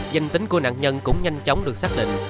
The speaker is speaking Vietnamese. danh tính của nạn nhân cũng nhanh chóng được xác định